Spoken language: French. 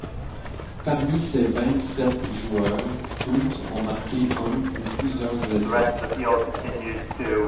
Parmi ces vingt-sept joueurs, douze ont marqué un ou plusieurs essais.